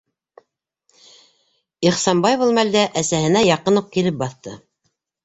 - Ихсанбай был мәлдә әсәһенә яҡын уҡ килеп баҫты.